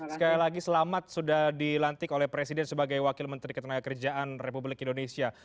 sekali lagi selamat sudah dilantik oleh presiden sebagai wakil menteri ketenagakerjaan republik indonesia